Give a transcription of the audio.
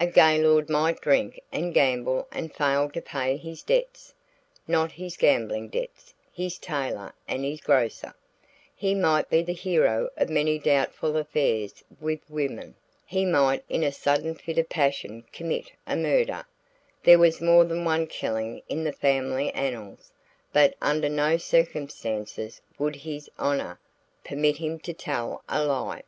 A Gaylord might drink and gamble and fail to pay his debts (not his gambling debts; his tailor and his grocer); he might be the hero of many doubtful affairs with women; he might in a sudden fit of passion commit a murder there was more than one killing in the family annals but under no circumstances would his "honah" permit him to tell a lie.